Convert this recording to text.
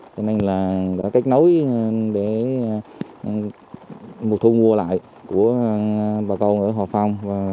cho nên là cách nối để mục thu mua lại của bà con ở họp phòng